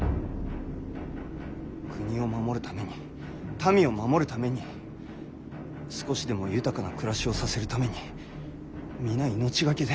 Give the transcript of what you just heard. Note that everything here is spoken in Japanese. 国を守るために民を守るために少しでも豊かな暮らしをさせるために皆命懸けで。